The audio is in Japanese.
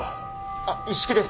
あっ一色です。